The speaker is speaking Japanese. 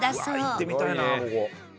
行ってみたいなここ。